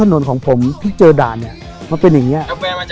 ข้างถนนของผมพี่เจอด่านเนี้ยมันเป็นอย่างเงี้ย